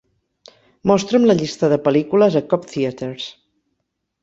Mostra'm la llista de pel·lícules a Cobb Theatres